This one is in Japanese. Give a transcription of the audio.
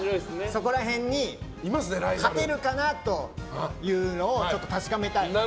そこら辺に勝てるかなというのをちょっと確かめたい。